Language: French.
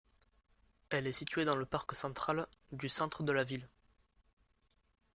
Elle est située dans le parc central du centre de la ville.